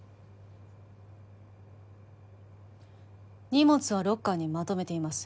荷物はロッカーにまとめています